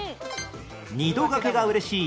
２度がけが嬉しい